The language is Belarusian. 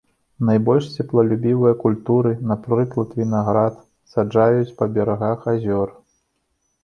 Найбольш цеплалюбівыя культуры, напрыклад вінаград, саджаюць па берагах азёр.